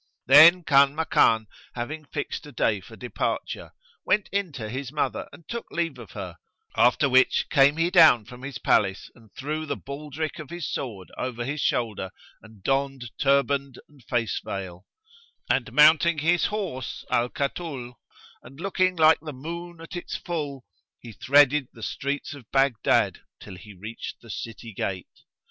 Then Kanmakan, having fixed a day for departure, went in to his mother and took leave of her, after which came he down from his palace and threw the baldrick of his sword over his shoulder and donned turband and face veil; and mounting his horse, Al Katul, and looking like the moon at its full, he threaded the streets of Baghdad, till he reached the city gate.